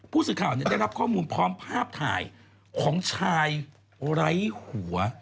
ผู้สื่อข่าวได้รับข้อมูลพร้อมภาพถ่ายของชายไร้หัว